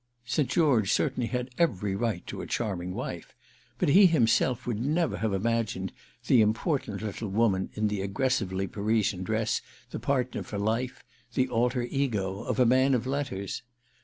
St. George certainly had every right to a charming wife, but he himself would never have imagined the important little woman in the aggressively Parisian dress the partner for life, the alter ego, of a man of letters.